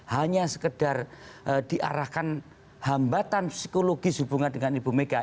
hanya sekedar diarahkan hambatan psikologis hubungan dengan ibu mega